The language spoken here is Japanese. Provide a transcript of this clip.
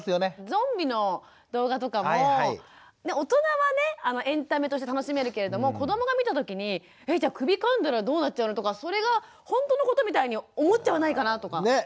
ゾンビの動画とかも大人はねエンタメとして楽しめるけれども子どもが見た時にえじゃあ首かんだらどうなっちゃうのとかそれがほんとのことみたいに思っちゃわないかなとか。ね！